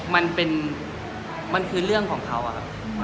มันเป็นมันคือเรื่องของเขาอะครับ